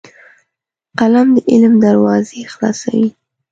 قلم د علم دروازې خلاصوي